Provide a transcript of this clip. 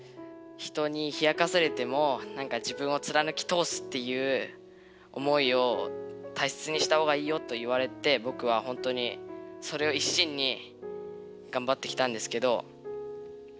人にひやかされても自分をつらぬきとおすっていう思いを大切にしたほうがいいよと言われてぼくはほんとにそれを一心にがんばってきたんですけど。